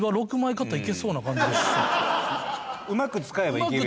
うまく使えばいけるよな？